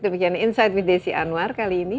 demikian insight with desi anwar kali ini